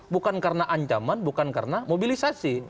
bukan karena ancaman bukan karena mobilisasi